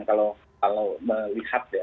kalau melihat ya